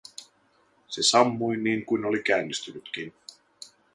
Se sammui niin kuin oli käynnistynytkin.